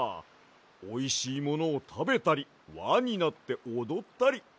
おいしいものをたべたりわになっておどったり。